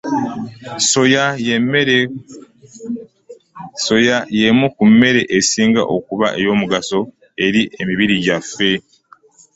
Soya y'emu ku mmere esinga okuba eyomugaso eri emibiri gwaffe.